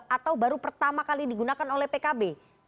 atau baru pertama kali digunakan oleh pkb